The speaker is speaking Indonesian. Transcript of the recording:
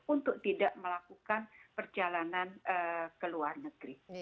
untuk tidak melakukan perjalanan ke luar negeri